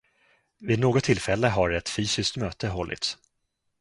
Vid något tillfälle har ett fysiskt möte hållits.